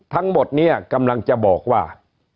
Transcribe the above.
ทั้งหมดนี้กำลังจะบอกว่า